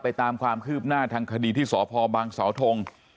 ตามความคืบหน้าทางคดีที่สพบังเสาทง